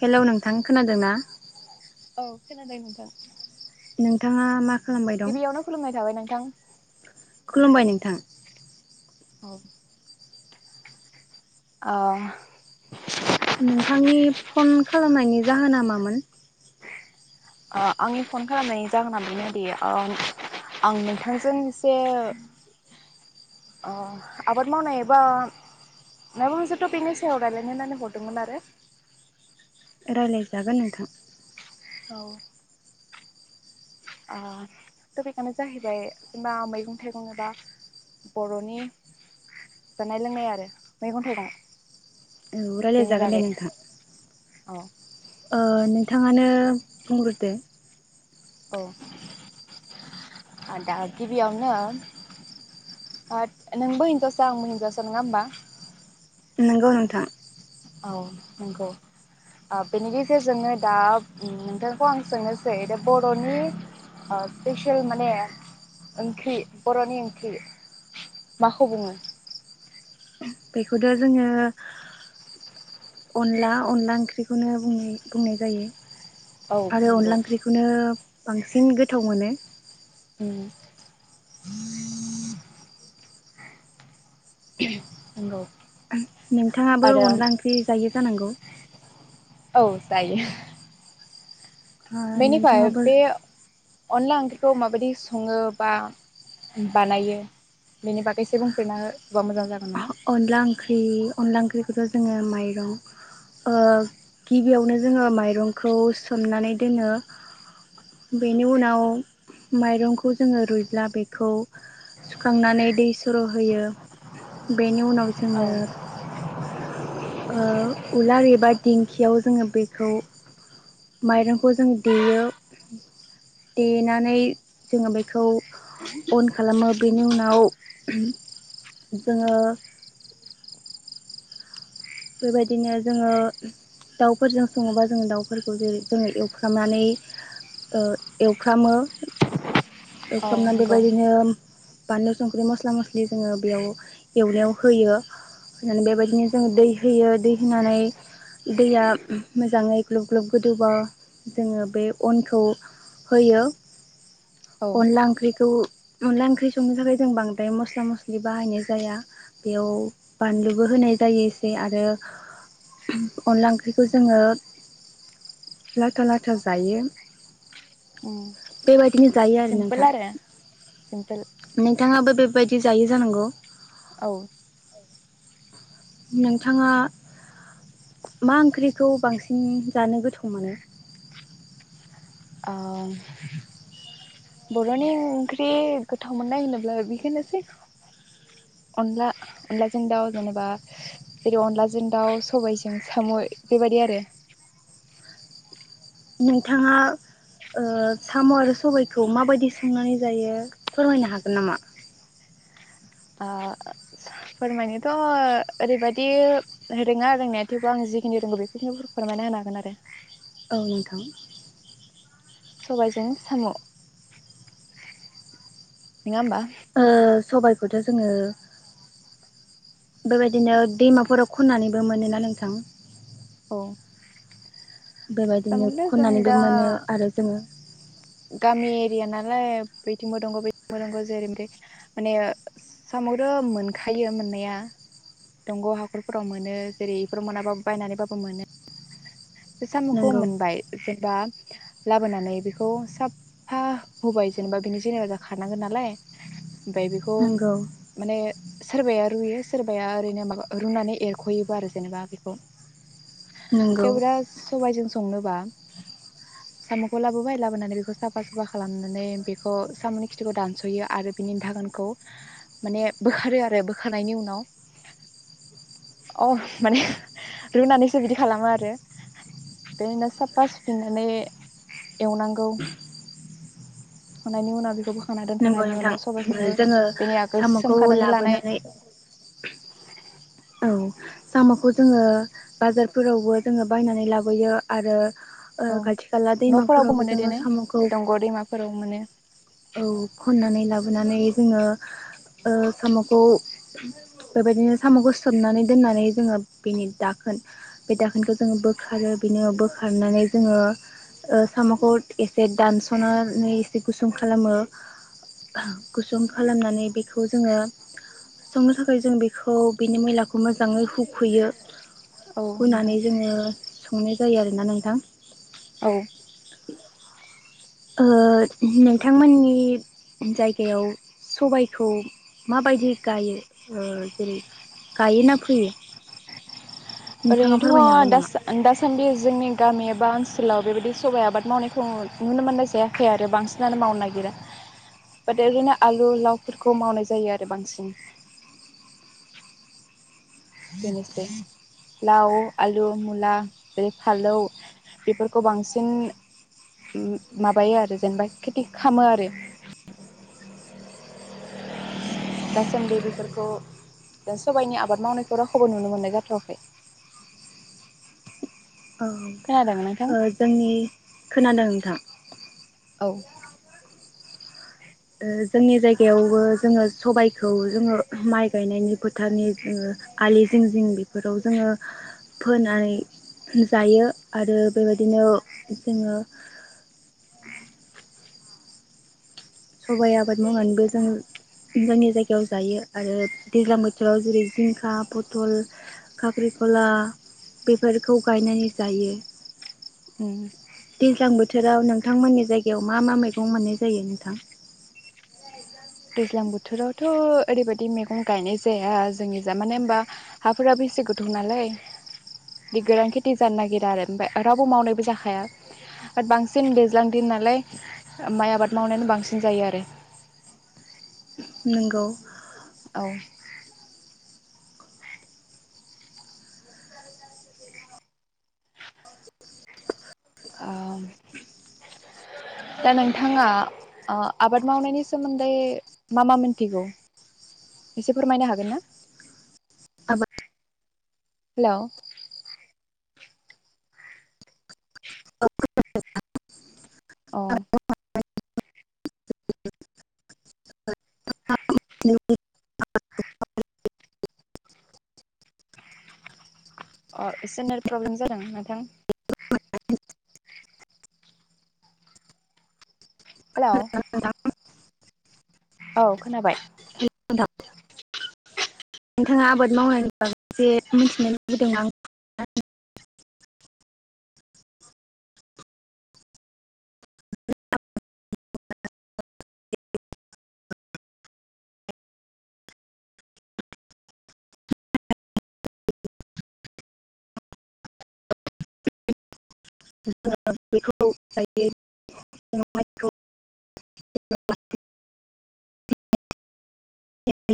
Hello नोंथां खोनादों ना? औ खोनादों नोंथां। नोंथाङा मा खालामबाय दं गिबियावनो खुलुमनाय थाबाय नों थां। खुलुमबाय नोंथां। औ। अ। नोंथांनि फन खालामनायनि जाहोना मामोन? ओ आंनि फन खालामनायनि जाहोना बेनोदि ओ आं नोंथांजों इसे ओ आबाद मावनाय एबा माबा मोनसे टपिकनि सायाव रायलायनो होननानै हरदोंमोन आरो। रायलायजागोन नोंथां औ। ओ टपिकआनो जाहैबाय जेनबा मैगं थाइगं एबा बर'नि जानाय लोंनाय आरो मैगं थाइगं। औ रायलाय जागोन दे नोंथां। अ। ओ नोंथाङानो बुंग्रोदो। औ आ दा गिबियावनो ओथ नोंबो हिनजावसा आंबो हिनजावसा नङा होमबा। नंगौ नोंथां। औ नंगौ ओ बेनि गेजेरजोंनो उम दा नोंथांखौ आं सोंनोसै दा बर'नि ओ स्पेसियेल माने ओंख्रि बर'नि ओंख्रि माखौ बुङो? बेखौथ जोङो अनला अनला ओंख्रिखौनो बुं बुंनाय जायो। औ आरो नंगौ अनला ओंख्रिखौनो। बांसिन गोथाव मोनो। उम। नंगौ। नोंथाङाबो आरो अनला ओंख्रि जायो जानांगौ? औ जायो। ओ बेनिफाय नोंथाङाबो बेे अनला ओंख्रिखौ माबायदि सङो बा बानायो बेनि बागै एसे बुंफोरना होबा मोजां जागो। अनला ओंख्रि अनला ओंख्रि खौ जोङो माइरं ओ गिबियावनो जोङो माइरंखौ सोमनानै दोनो बेनि उनाव माइरंखौ जोङो रुइब्ला बेखौ सुखांनानै दै सर'होयो बेनि उनाव औ जोङो। ओ उलार एबा दिंखियाव जोङो बेखौ माइरंखौ जों देयो देनानै जोङो बेखौ अन खालामो बेनि उनाव जोङो। बेबायदिनो जोङो दाउफोरजों सङोबा जोङो दाउफोरखौ जेरै जोङो एवफ्रामनानै ओ एवफ्रामो औ एवफ्रामना नंगौ बेबादिनो बानलु संख्रि मस्ला मस्लि जोङो बेयाव एवनायाव होयो होनानै बेबायदिनो जोङो दै होयो दै होनानै दैया मोजाङै ग्लुब ग्लुब गोदौबा जोङो बे अनखौ होयो औ अनला ओंख्रिखौ अनला ओंख्रि संनो थाखाय जों बांद्राय मस्ला मस्लि बाहायनाय जाया बेयाव बानलुबो होनाय जायो एसे आरो अनला ओंख्रिखौ जोङो लाथा लाथा जायो उम बेबायदिनो जायो आरो नोंथां सिम्पोल नोंथाङाबो बेबायदि जायो जानांगौ औ नोंथाङा मा ओंख्रिखौ बांसिन जानो गोथाव मोनो? ओ [inaudible] बर'नि ओंख्रि गोथाव मोननाय होनोब्ला बेखौनोसै अनला अनलाजों दाउ जेनेबा जेरै अनलाजों दाउ सबाइजों साम' बेबायदि आरो नोंथाङा ओ साम' आरो सबायखौ माबायदि संनानै जायो फोरमायनो हागोन नामा? ओ फोरमायनोथ' ओरैबायदि रोङा रोंनाया थेवबो आं जिखिनि रोंगौ बखिनिखौ फोरमायना होनो हागोन आरो औ नोंथां सबायजों साम' नङा होमबा बेखौथ' जोङो बेबायदिनो दैमाफोराव खननानैबो मोनोना नोंथां औ बेबायदिनो साम'खौथ' जों खननानैबो दा मोनो आरो जोङो गामि एरिया नालाय बैथिंबो दङ बथिंबो दङ जेरै मेरै माने सामखौथ मोनखायो मोननाया दंग' हाखरफोराव मोनो जेरै बेफोराव मोनाबाबो बायनानैबाबो मोनो साम'खौ नंगौ मोनबाय जेनेबा लाबोनानै बेखौ साफा हुबाय जेनेबा बिनि जेनेरा खारनांगोन नालाय ओमफाय बेखौ नंगौ माने सोरबाया रुयो सोरबाया ओरैनो माबा रुनानै एरख'योबो आरो जेनेबा बेखौ। नोंगौ। सबायजों संनो बां साम'खौ लाबोबाय लाबोनानै बेखौ साफा सुफा खालामनानै बेखौ साम'नि खिथिखौ दानस'यो आरो बिनि दागोनखौ माने बोखारो आरो बोखारनायनि उनाव अ माने रुनानैसो बिदि खालामो आरो। बेदिनो साफा सुफिननानै एवनांगौ। [unintelligible] नंगौ नोंथां उनाव सबायखौबो जोङो बेनि आगोल साम'खौ सोमखानानै लानाय लाबोनानै औ। साम'खौ जोङो बाजारफोरावबो जोङो बायनानै लाबोयो आरो ओ औ खाथि खाला न'फोरावबो दैमाफोरावबो मोनो जोङो देनै साम'खौ दंग' दैमाफोराव मोनो औ खननानै लाबोनानै जोङो ओ साम'खौ बेबायदिनो साम'खौ सोमनानै दोननानै जोङो बेनि दाखोन बे दाखोनखौ जोङो बोखारो बेनि उनाव बोखारनानै जोङो ओ साम'खौ एसे दानस'नानै एसे गुसुं खालामो गुसुं खालामनानै बेखौ जोङो संनो थाखाय जों बेखौ बेनि मैलाखौ मोजाङै हुखुयो औ नोंथां हुनानै जोङो संनाय जायो आरोना नोंथां। औ। ओ नोंथांमोननि जायगायाव सबायखौ माबायदि गायो ओ जेरै गायो ना फैयो? नोंथाङा फोरमायनो हागोन ओरैनोथ' नामा? दासा-दासान्दि जोंनि गामियाब बा ओनसोलाव बेबायदि सबाय आबाद मावनायखौ नु-नुनो मोननाय जायाखै आरो। बांसिनानो मावनो नागिरा ओदेरोना आलु, लावफोरखौ मावनाय जायो आरो बांसिन। बेनोसै लाव, आलु, मुला जरै फालौ बेफोरखौ बांसिन उम माबायो आरो जेनेबा खेथि खामो आरो। दासान्दि बेफोरखौ जों सबायनि आबाद मावनायखौ रावखौबो नुनो मोननाय जाथ'वाखै। औ खोनादों नोंथां ओ जोंनि खोनादों नोंथां? औ। ओ जोंनि जायगायावबो जोङो सबायखौ जोङो माइ गायनायनि फोथारनि जोङो आलि जिं जिं बिफोराव जोङो फोनानै जायो आरो बेबायदिनो जोङो सबाय आबाद मावनानैबो जों जोंनि जायगायाव जायो आरो दैज्लां बोथोराव जेरै जिंखा, पथल, खाख्रिखला बेफोरखौ गायनानै जायो। उम। दैज्लां बोथोराव नोंथांमोननि जायगायाव मा मा मैगं मोननाय जायो नोंथां? [unintelligible] ज्लां बोथोरावथ' ओरैबायदि मेगं गायनाय जाया जोंनि जा मानो होनबा हाफोराबो बेसे गोथाव नालाय दि गोरान खेथि जानो नागिरा आरो। ओमफाय रावबो मावनायबो जाखाया ओद बांसिन दैज्लां दिन नालाय ओ माइ आबाद मावनायानो बांसिन जायो आरो। नोंगौ। औ। ओ दा नोंथाङा ओ आबाद मावनायनि सोमोन्दै मा मा मिथिगौ एसे फोरमायनो हागोन ना? आबाद हेलौ औ खोनादों ना? औ। [unintelligible] अ' एसे नेट प्रब्लेम जादों ना? थां। [unintelligible] हेलौ औ खोनाबाय। हेलौ नोंथां नोंथाङा आबाद मावनायनि बागै जे मिथिनो लुबैदों [unintelligible] [unintelligible] बेखौ [unintelligible] [unintelligible]